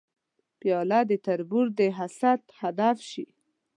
پیاله د تربور د حسد هدف شي.